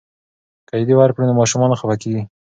که عیدي ورکړو نو ماشومان نه خفه کیږي.